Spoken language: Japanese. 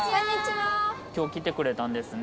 今日来てくれたんですね